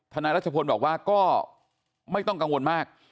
นายรัชพลบอกว่าก็ไม่ต้องกังวลมาก